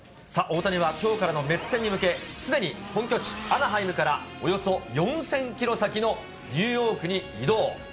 さあ、大谷はきょうからのメッツ戦に向け、すでに本拠地、アナハイムからおよそ４０００キロ先のニューヨークに移動。